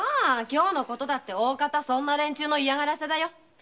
今日のことだってそんな連中の嫌がらせだよ。